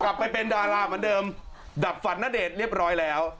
ไปเป็นดาราเหมือนเดิมดับฝันณเดชน์เรียบร้อยแล้ว